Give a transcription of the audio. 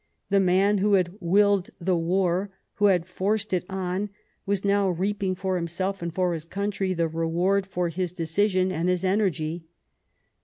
ReconcUiation The man who had willed the war, who Chamber had forced it on, was now reaping for himself and for his country the reward for his decision and his energy.